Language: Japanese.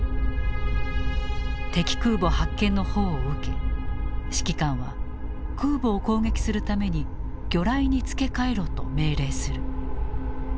敵空母発見の報を受け指揮官は空母を攻撃するために魚雷に付け換えろと命令する。